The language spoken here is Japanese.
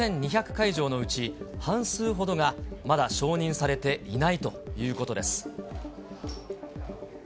会場のうち、半数ほどが、まだ承認されていないということです。